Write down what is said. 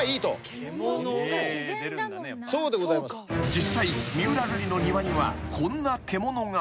［実際三浦瑠麗の庭にはこんな獣が］